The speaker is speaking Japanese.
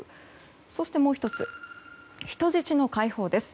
そして、もう１つ人質の解放です。